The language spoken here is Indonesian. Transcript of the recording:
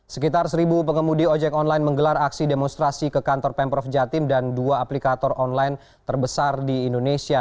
sekitar seribu pengemudi ojek online menggelar aksi demonstrasi ke kantor pemprov jatim dan dua aplikator online terbesar di indonesia